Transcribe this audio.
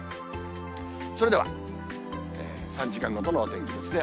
それでは、３時間ごとのお天気ですね。